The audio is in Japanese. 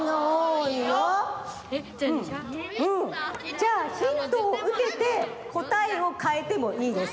じゃあヒントをうけてこたえをかえてもいいです。